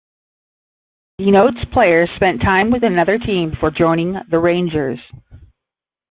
Denotes player spent time with another team before joining the Rangers.